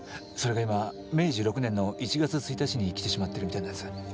それが今明治６年の１月１日に来てしまってるみたいなんです。